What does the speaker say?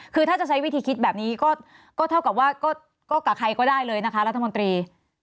คือถ้าจะใช้วิธีคิดแบบนี้ก็เท่ากับว่าก็กับใครก็ได้เลยนะคะรัฐมนตรี